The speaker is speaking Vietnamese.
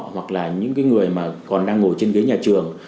hoặc là những người mà còn đang ngồi trên ghế nhà trường